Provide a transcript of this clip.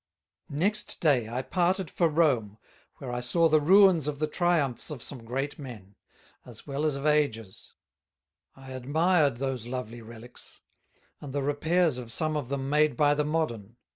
Next day I parted for Rome, where I saw the ruins of the Triumphs of some great men, as well as of Ages: I admired those lovely Relicks; and the Repairs of some of them made by the Modern.